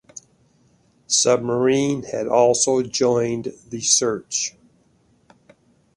Submarine had also joined the search.